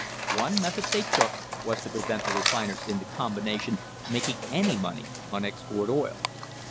One method they took was to prevent the refiners in the combination making any money on ex port oil.